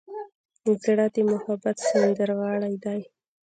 زړه د محبت سندرغاړی دی.